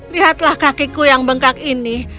lihatlah kakiku yang bengkak ini